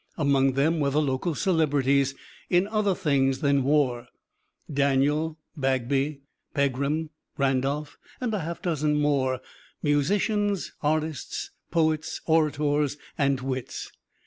Among them were the local celebrities in other things than war, Daniel, Bagby, Pegram, Randolph, and a half dozen more, musicians, artists, poets, orators and wits.